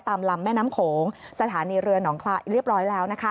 ลำแม่น้ำโขงสถานีเรือหนองคลายเรียบร้อยแล้วนะคะ